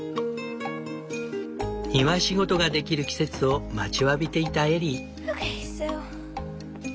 庭仕事ができる季節を待ちわびていたエリー。